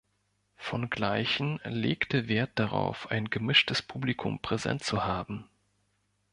Von Gleichen legte Wert darauf, ein gemischtes Publikum präsent zu haben.